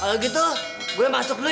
kalau gitu gue masuk dulu